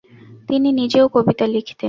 তিনি নিজেও কবিতা লিখতেন।